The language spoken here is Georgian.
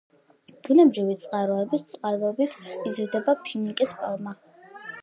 ბუნებრივი წყაროების წყალობით იზრდება ფინიკის პალმა.